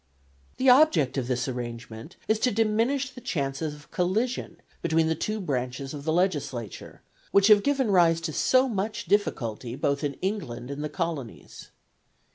The object of this arrangement is to diminish the chances of collision between the two branches of the Legislature, which have given rise to so much difficulty both in England and the colonies.